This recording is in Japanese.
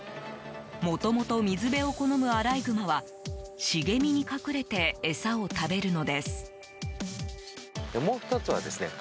もともと水辺を好むアライグマは茂みに隠れて餌を食べるのです。